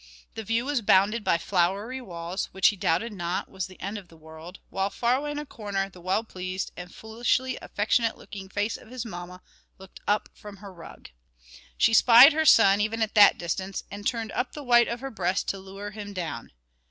The view was bounded by flowery walls, which, he doubted not, was the end of the world, while far away in a corner, the well pleased and foolishly affectionate looking face of his mamma looked up from her rug. She spied her son, even at that distance, and turned up the white of her breast to lure him down.